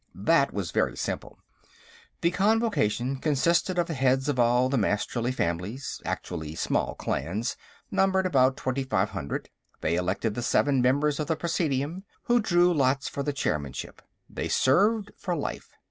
That was very simple. The Convocation, consisting of the heads of all the Masterly families, actually small clans, numbered about twenty five hundred. They elected the seven members of the Presidium, who drew lots for the Chairmanship. They served for life.